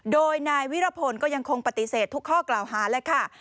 โดยนายวิรพลก็ยังคงปฏิเสธทุกข้อกล่าวหาเลยค่ะ